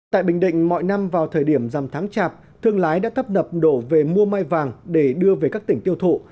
tại bình định mọi năm vào thời điểm dằm tháng chạp thương lái đã tấp nập đổ về mua mai vàng để đưa về các tỉnh tiêu thụ